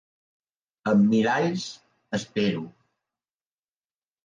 Amb miralls, espero.